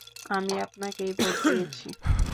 আমি আপনাকেই ভোট দিয়েছি।